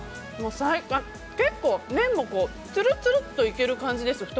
結構麺もツルツルっといける感じです太